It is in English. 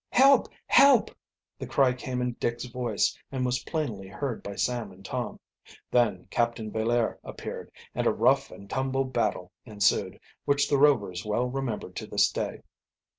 "Help! help!" The cry came in Dick's voice, and was plainly heard by Sam and Tom. Then Captain Villaire appeared, and a rough and tumble battle ensued, which the Rovers well remember to this day.